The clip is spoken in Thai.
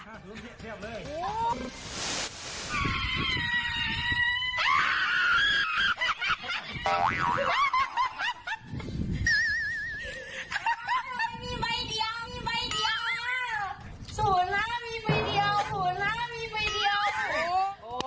มีใบเดียว๐๕มีใบเดียว๐๕มีใบเดียวโอ้โห